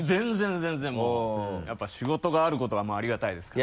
全然もうやっぱ仕事があることがありがたいですから。